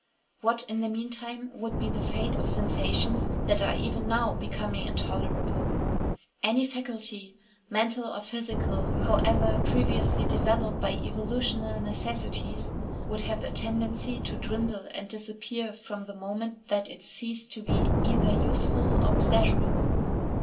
What in the meantime would be the fate of sensations that are even now becoming intolerable? Any faculty, mental or physical, however previously developed by evolutional necessities, would have a tendency to dwindle and disappear from the moment that it ceased to be either useful or pleasurable.